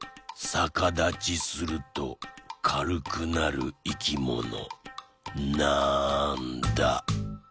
さかだちするとかるくなるいきもの？